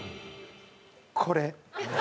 これ。